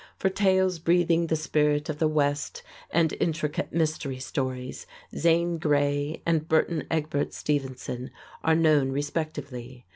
For tales breathing the spirit of the West and intricate mystery stories, Zane Grey and Burton Egbert Stevenson are known respectively.